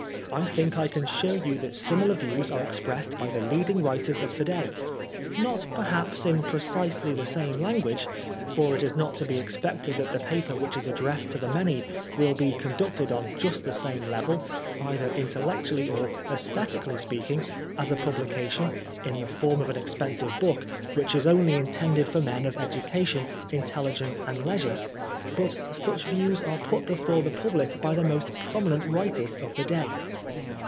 I think I can show you that similar views are expressed by the leading writers of to day — not, perhaps, in precisely the same language — for it is not to be expected that die paper which is ad(&essed to the many will be conducted on just the same level, either intel lectually or aesthetically speaking, as a publication, in the form of an expensive book, which is only intended for men of edu cation, intelligence and leisure ; but such views are put before the public by the most prominent writers of the oay.